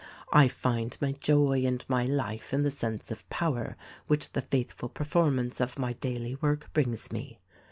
I find my joy and my life in the sense of power which the faithful performance of my daily work brings me.